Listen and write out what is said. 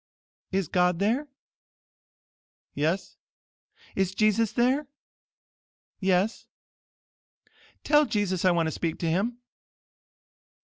"Is God there?" "Yes." "Is Jesus there?" "Yes." "Tell Jesus I want to speak to him."